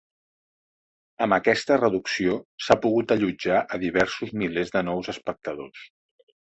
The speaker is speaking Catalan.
Amb aquesta reducció, s'ha pogut allotjar a diversos milers de nous espectadors.